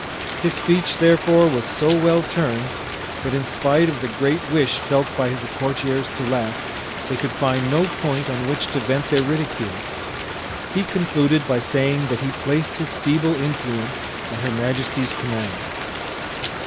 His speech, therefore, was so well turned, that in spite of the great wish felt by the courtiers to laugh, they could find no point on which to vent their ridicule. He concluded by saying that he placed his feeble influence at her majesty's command.